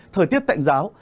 thời tiết tạnh giáo